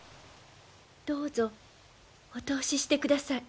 どうぞお通ししてください。